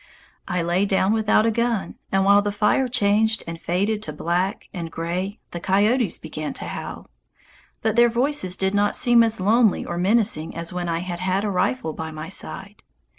I lay down without a gun, and while the fire changed and faded to black and gray the coyotes began to howl. But their voices did not seem as lonely or menacing as when I had had a rifle by my side.